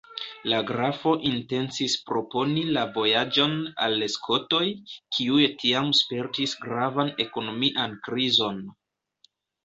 La grafo intencis proponi la vojaĝon al Skotoj, kiuj tiam spertis gravan ekonomian krizon.